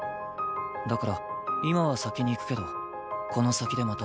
だから今は先に行くけどこの先でまた。